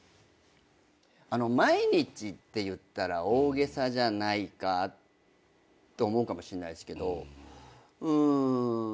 毎日って言ったら大げさじゃないかって思うかもしれないですけどうーん